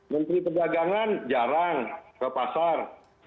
menteri perdagangan jarang ke pasar